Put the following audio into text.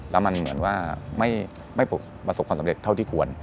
แล้วมันเหมือนว่าไม่ประสบความสำเร็จเท่าที่ควร